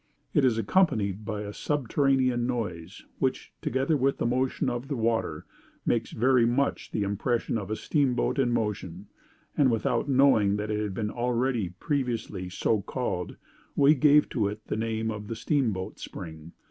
It is accompanied by a subterranean noise, which, together with the motion of the water, makes very much the impression of a steamboat in motion; and, without knowing that it had been already previously so called, we gave to it the name of the Steamboat Spring.